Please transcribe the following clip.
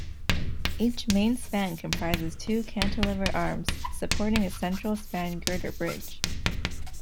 Each main span comprises two cantilever arms supporting a central span girder bridge.